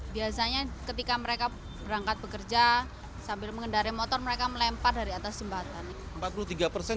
biasanya ketika mereka berangkat bekerja sambil mengendari motor mereka melempar dari atas jembatan